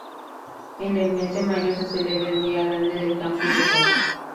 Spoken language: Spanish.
En el mes de mayo se celebra el Día Grande del Campus de Cuenca.